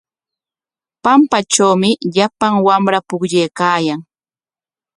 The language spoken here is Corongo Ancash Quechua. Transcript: Pampatrawmi llapan wamra pukllaykaayan.